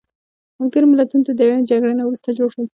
ملګري ملتونه د دویمې جګړې نه وروسته جوړ شول.